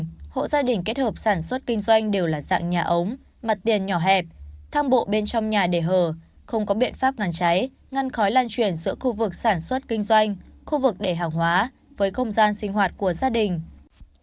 tuy nhiên hộ gia đình kết hợp sản xuất kinh doanh đều là dạng nhà ống mặt tiền nhỏ hẹp thang bộ bên trong nhà để hờ không có biện pháp ngăn cháy ngăn khói lan chuyển giữa khu vực sản xuất kinh doanh khu vực để hàng hóa với không gian sinh hoạt của gia đình